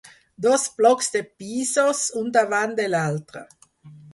Dos blocs de pisos, un davant de l'altre.